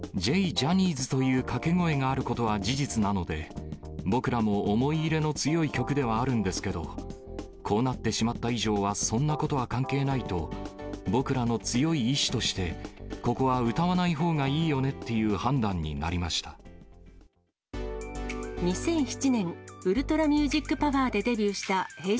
ジャニーズという掛け声があることは事実なので、僕らも思い入れの強い曲ではあるんですけど、こうなってしまった以上はそんなことは関係ないと、僕らの強い意志として、ここは歌わないほうがいいよねっていう判断になりまし２００７年、ＵｌｔｒａＭｕｓｉｃＰｏｗｅｒでデビューしたＨｅｙ！